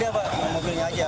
tidak ada apa mobilnya saja